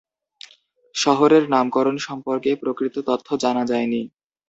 শহরের নামকরণ সম্পর্কে প্রকৃত তথ্য জানা যায়নি।